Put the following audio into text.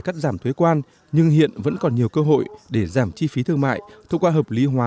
cắt giảm thuế quan nhưng hiện vẫn còn nhiều cơ hội để giảm chi phí thương mại thông qua hợp lý hóa